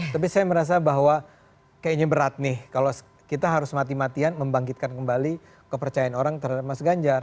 tapi saya merasa bahwa kayaknya berat nih kalau kita harus mati matian membangkitkan kembali kepercayaan orang terhadap mas ganjar